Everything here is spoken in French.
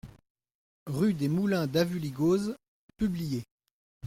Rue des Moulins d'Avulligoz, Publier